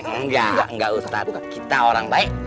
engga engga usah kita orang baik